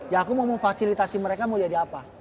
ya aku mau memfasilitasi mereka mau jadi apa